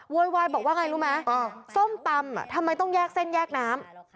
วายบอกว่าไงรู้ไหมส้มตำทำไมต้องแยกเส้นแยกน้ำ